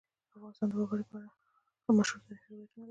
افغانستان د وګړي په اړه مشهور تاریخی روایتونه لري.